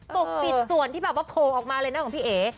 ปกปิดส่วนที่แบบว่าโผล่ออกมาเลยนะของพี่เอ๋